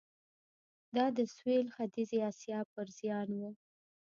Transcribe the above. دا د سوېل ختیځې اسیا پر زیان و.